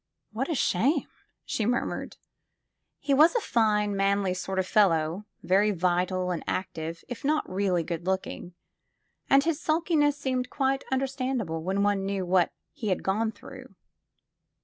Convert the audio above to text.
What a shame!" she murmured. He was a fine, manly sort of fellow, very vital and active, if not really good looking, and his sulkiness seemed quite understand able when one knew what he had gone through.